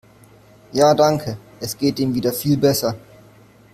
Ja danke, es geht im wieder viel besser.